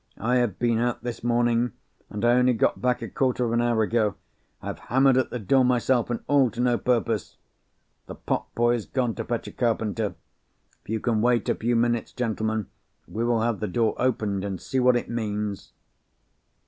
I have been out this morning—and I only got back a quarter of an hour ago. I have hammered at the door myself—and all to no purpose. The potboy has gone to fetch a carpenter. If you can wait a few minutes, gentlemen, we will have the door opened, and see what it means."